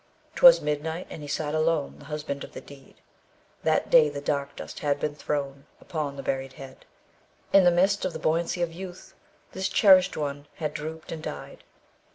"'Twas midnight, and he sat alone The husband of the dead, That day the dark dust had been thrown Upon the buried head." In the midst of the buoyancy of youth, this cherished one had drooped and died.